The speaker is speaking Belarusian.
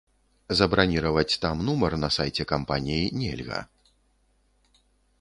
Забраніраваць там нумар на сайце кампаніі нельга.